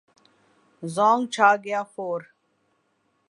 زونگ چھا گیا فور